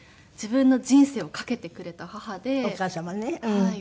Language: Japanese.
はい。